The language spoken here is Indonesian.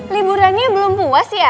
laboran nya belum puas ya